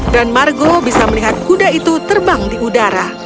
dan margo bisa melihat kuda itu terbang di udara